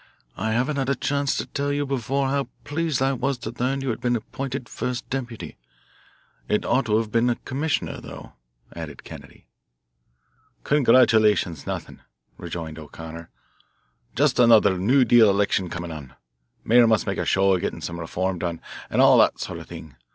I haven't had a chance to tell you before how pleased I was to learn you had been appointed first deputy. It ought to have been commissioner, though," added Kennedy. "Congratulations nothing," rejoined O'Connor. "Just another new deal election coming on, mayor must make a show of getting some reform done, and all that sort of thing.